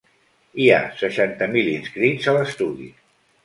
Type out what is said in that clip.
Hi ha seixanta mil inscrits a l’estudi.